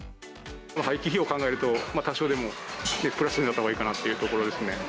廃棄料を考えると、多少でもプラスになったほうがいいかなっていうところですね。